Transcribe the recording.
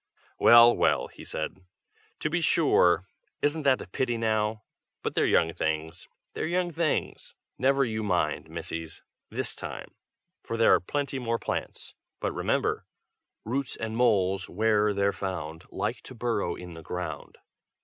"Well, well!" he said. "To be sure! isn't that a pity now! but they're young things, they're young things! never you mind, Missies, this time, for there are plenty more plants. But remember: "'Roots and moles, where'er they're found, Like to burrow in the ground.'"